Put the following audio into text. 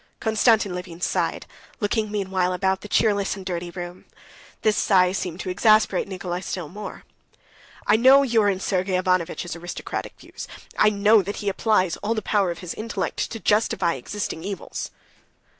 Konstantin Levin sighed, looking meanwhile about the cheerless and dirty room. This sigh seemed to exasperate Nikolay still more. "I know your and Sergey Ivanovitch's aristocratic views. I know that he applies all the power of his intellect to justify existing evils."